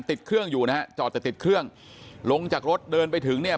ติดเครื่องอยู่นะฮะจอดแต่ติดเครื่องลงจากรถเดินไปถึงเนี่ย